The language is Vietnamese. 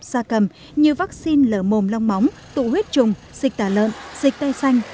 xa cầm như vaccine lở mồm long móng tụ huyết trùng xịt tà lợn xịt tay xanh